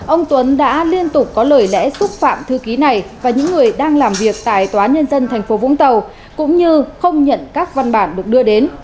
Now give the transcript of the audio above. ông tuấn đã liên tục có lời lẽ xúc phạm thư ký này và những người đang làm việc tại tòa nhân dân tp vũng tàu cũng như không nhận các văn bản được đưa đến